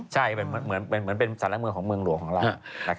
ใช่เหมือนเป็นสาระเมืองของเมืองหลวงของเรา